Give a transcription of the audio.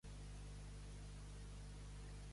Lats a lats.